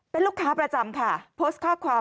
เป็นลูกค้าประจำค่ะโพสต์ข้อความ